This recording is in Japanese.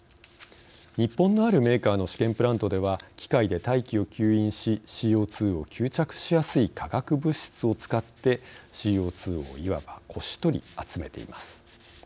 日本のあるメーカーの試験プラントでは機械で大気を吸引しＣＯ２を吸着しやすい化学物質を使って、ＣＯ２をいわば、こし取り集めています。